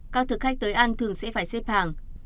các thực khách tới ăn thường sẽ phải xếp hàng